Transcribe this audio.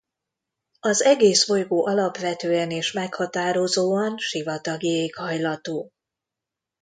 Az egész bolygó alapvetően és meghatározóan sivatagi éghajlatú.